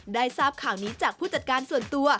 ได้ทราบข่าวนี้จากผู้จัดการส่วนตัว